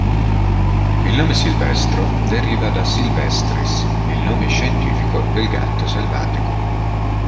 Il nome Silvestro deriva da silvestris, il nome scientifico del gatto selvatico.